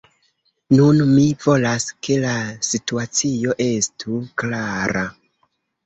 Nun mi volas, ke la situacio estu klara.